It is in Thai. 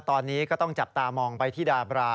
ตอนนี้ก็ต้องจับตามองไปที่ดาบรา